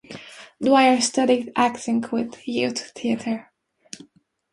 Dwyer studied acting with Youth Theatre.